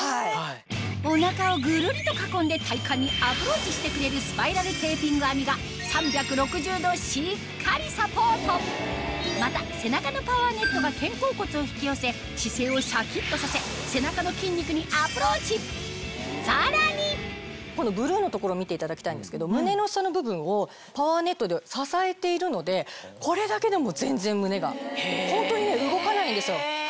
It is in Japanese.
お腹をぐるりと囲んで体幹にアプローチしてくれるスパイラルテーピング編みがまた背中のパワーネットが肩甲骨を引き寄せ姿勢をシャキっとさせ背中の筋肉にアプローチさらにこのブルーの所見ていただきたいんですけど胸の下の部分をパワーネットで支えているのでこれだけでも全然胸がホントに動かないんですよ。